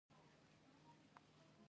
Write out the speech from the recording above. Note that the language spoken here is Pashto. افغانستان څومره اوبه ګاونډیانو ته ورکوي؟